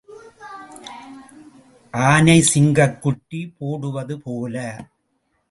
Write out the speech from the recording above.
ஆனை சிங்கக்குட்டி போடுவது போல.